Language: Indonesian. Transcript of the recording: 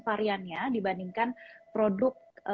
variannya dibandingkan produk